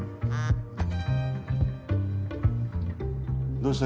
どうした？